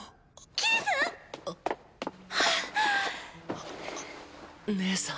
義姉さん。